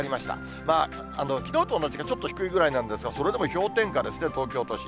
まあ、きのうと同じか、低いぐらいなんですが、それでも氷点下ですね、東京都心。